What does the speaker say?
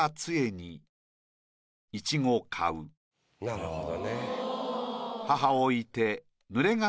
なるほどね。